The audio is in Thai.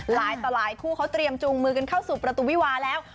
หลายต่อหลายคู่เขาเตรียมจูงมือกันเข้าสู่ประตูวิวาแล้ว